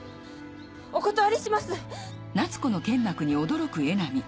お断りします！